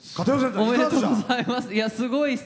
おめでとうございます。